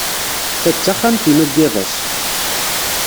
Ta d taxxamt-inu n yiḍes.